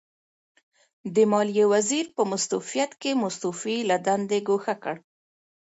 د ماليې وزیر په مستوفیت کې مستوفي له دندې ګوښه کړ.